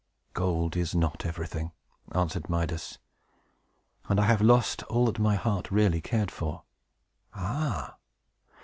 "Gold is not everything," answered Midas. "And I have lost all that my heart really cared for." "Ah!